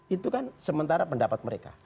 itu kan sementara pendapat mereka